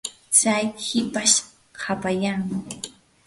tsay hipash hapallanmi.